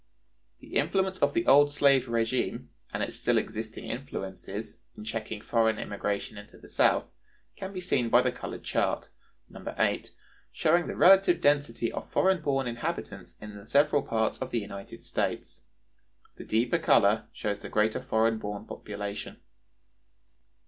(129) The influence of the old slave régime, and its still existing influences, in checking foreign immigration into the South can be seen by the colored chart, No. VIII, showing the relative density of foreign born inhabitants in the several parts of the United States. The deeper color shows the greater foreign born population.